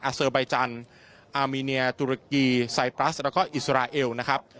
อาซิลไบจันทร์อาเมนีย์ตุรกีไซด์ปรัสและก็อิสราเอลนะครับ